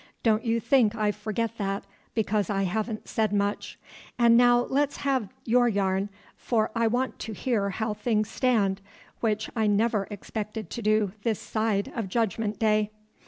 Don't you think I forget that because I haven't said much. And now let's have your yarn, for I want to hear how things stand, which I never expected to do this side of Judgment day."